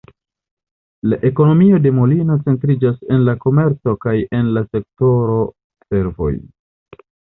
La ekonomio de Molina centriĝas en la komerco kaj en la sektoro servoj.